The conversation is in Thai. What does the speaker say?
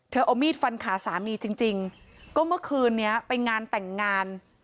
เอามีดฟันขาสามีจริงจริงก็เมื่อคืนนี้ไปงานแต่งงาน